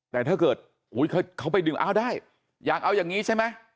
แต่ถ้าเกิดเขาไปเอาอย่างนี้ใช่ไหม